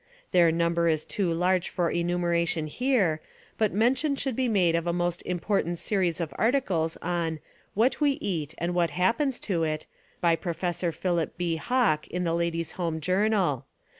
Their number is too large for enumeration here, but mention should be made of a most important series of articles on "What We Eat and What Happens to It" by Professor Philip B. Hawk in the Ladies^ Home Journal.